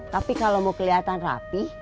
tapi kalau mau keliatan rapi